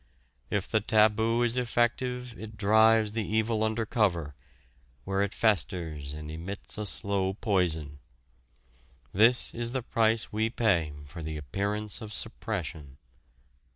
If the taboo is effective it drives the evil under cover, where it festers and emits a slow poison. This is the price we pay for the appearance of suppression.